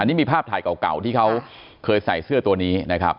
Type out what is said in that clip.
นี่มีภาพถ่ายเก่าที่เขาเคยใส่เสื้อตัวนี้นะครับ